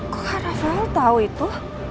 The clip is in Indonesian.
kok kak rafael tahu itu